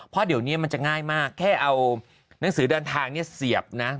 เพราะเดี๋ยวนี้มันจะง่ายมากแค่เอาหนังสือเดินทางเนี่ยเสียบนะ